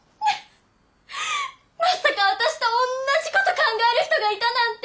まさか私と同じこと考える人がいたなんて！